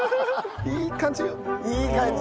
いい感じ。